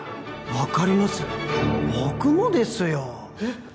分かります僕もですよえっ！？